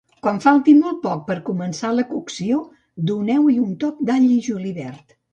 Quan falti molt poc per començar la cocció, doneu-hi un toc d'all i julivert.